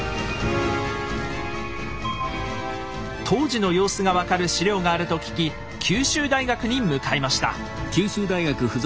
当時の様子が分かる資料があると聞き九州大学に向かいました。